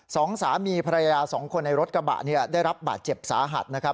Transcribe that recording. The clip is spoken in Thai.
สองสามีภรรยาสองคนในรถกระบะเนี่ยได้รับบาดเจ็บสาหัสนะครับ